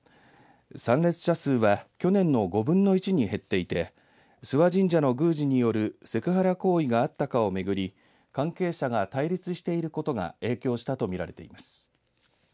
参列者数は去年の５分の１に減っていて諏訪神社の宮司によるセクハラ行為があったかをめぐり関係者が対立していることが影響したとみられています。